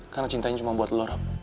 karena cintanya cuma buat lo rob